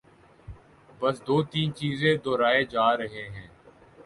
بس دو تین چیزیں دہرائے جا رہے ہیں۔